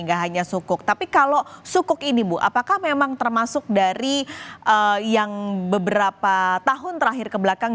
nggak hanya sukuk tapi kalau sukuk ini bu apakah memang termasuk dari yang beberapa tahun terakhir ke belakang